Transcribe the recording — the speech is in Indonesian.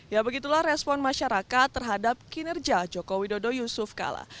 ya begitulah respon masyarakat terhadap kinerja joko widodo yusuf kala